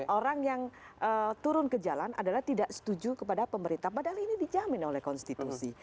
orang yang turun ke jalan adalah tidak setuju kepada pemerintah padahal ini dijamin oleh konstitusi